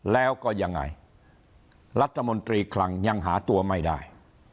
แล้วก็ยังไงรัฐมนตรีคลังยังหาตัวไม่ได้